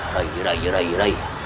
rai rai rai rai